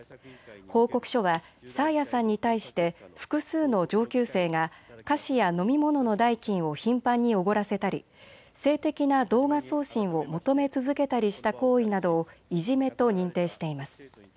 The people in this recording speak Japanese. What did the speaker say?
報告書は爽彩さんに対して複数の上級生が菓子や飲み物の代金を頻繁におごらせたり性的な動画送信を求め続けたりした行為などをいじめと認定しています。